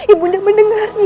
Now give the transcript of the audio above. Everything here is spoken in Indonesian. ibu bunda mendengarnya